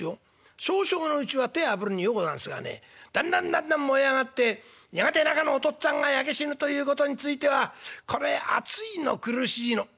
少々のうちは手ぇあぶるのにようござんすがねだんだんだんだん燃え上がってやがて中のお父っつぁんが焼け死ぬということについてはこれ熱いの苦しいの」。